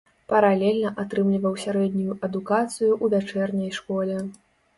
Паралельна атрымліваў сярэднюю адукацыю ў вячэрняй школе.